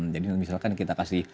jadi misalkan kita kasih